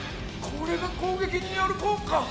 これが攻撃による効果？